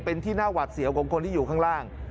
เป็นที่น่าหวัดเสียวของคนที่อยู่ข้างล่าง